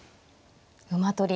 馬取りで。